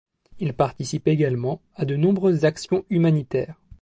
Il participe également a de nombreuses actions humanitaire.